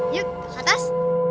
yuk ke atas